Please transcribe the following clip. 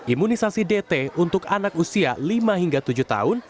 imunisasi dt untuk anak usia lima hingga tujuh tahun